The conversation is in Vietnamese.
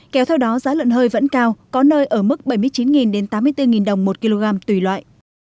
kéo theo đó giá lợn hơi vẫn cao có nơi ở mức bảy mươi chín tám mươi bốn đồng một kg tùy loại